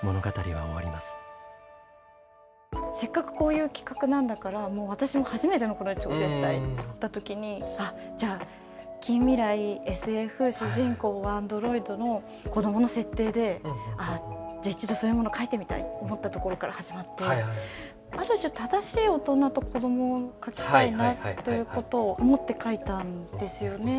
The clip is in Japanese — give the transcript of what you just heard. せっかくこういう企画なんだから私も初めてのことに挑戦したいと思った時にじゃあ近未来ＳＦ主人公はアンドロイドの子どもの設定で一度そういうものを書いてみたいと思ったところから始まってある種正しい大人と子どもを書きたいなということを思って書いたんですよね。